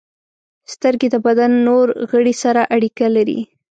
• سترګې د بدن نور غړي سره اړیکه لري.